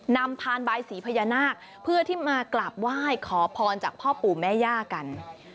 นำพานบายสีพญานาคเพื่อที่มากราบไหว้ขอพรจากพ่อปู่แม่ย่ากัน